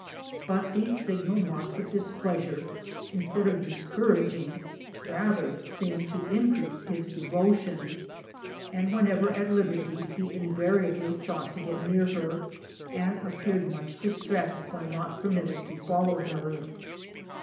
But these signal marks of displeasure, instead of discouraging, rather seemed to in crease his devotion, and whenever at liberty he invariably sought to get near her, and aj)peared much distressed when not permitted to follow her.